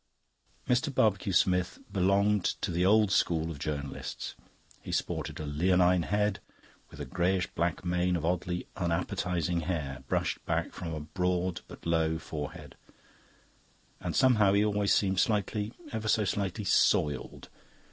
Mr. Barbecue Smith belonged to the old school of journalists. He sported a leonine head with a greyish black mane of oddly unappetising hair brushed back from a broad but low forehead. And somehow he always seemed slightly, ever so slightly, soiled.